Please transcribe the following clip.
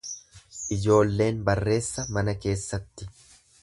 Ijoolleen barreessa mana keessatti.